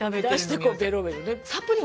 出してこうベロベロね。